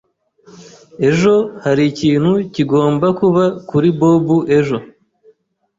Ejo hari ikintu kigomba kuba kuri Bob ejo.